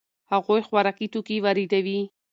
هغوی خوراکي توکي واردوي.